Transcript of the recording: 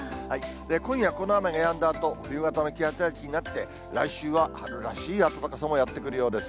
今夜、この雨がやんだあと、冬型の気圧配置になって、来週は春らしい暖かさもやってくるようです。